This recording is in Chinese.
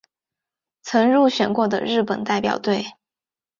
曾入选过的日本代表队。